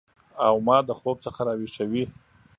او ما د خوب څخه راویښوي